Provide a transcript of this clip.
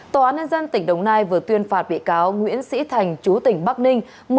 tòa án nhân dân tỉnh đồng nai vừa tuyên phạt bị cáo nguyễn sĩ thành chú tỉnh bắc ninh